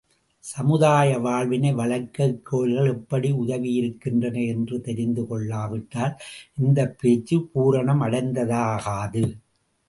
சமுதாய வாழ்வினை வளர்க்க இக்கோயில்கள் எப்படி உதவியிருக்கின்றன என்று தெரிந்து கொள்ளாவிட்டால் இந்தப் பேச்சு பூரணம் அடைந்ததாகாது.